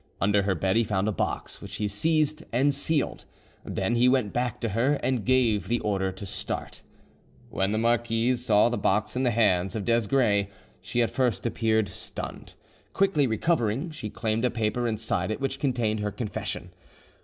Under her bed he found a box, which he seized and sealed; then he went back to her, and gave the order to start. When the marquise saw the box in the hands of Desgrais, she at first appeared stunned; quickly recovering, she claimed a paper inside it which contained her confession.